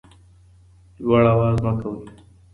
لوړ اواز مه کوئ.